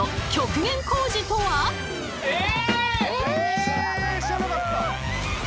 え！